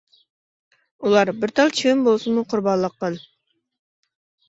ئۇلار: بىر تال چىۋىن بولسىمۇ قۇربانلىق قىل!